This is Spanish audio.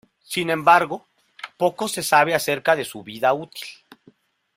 Sin embargo, poco se sabe acerca de su vida útil.